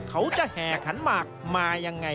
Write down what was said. เขาจะแห่ขันหมากมายังไง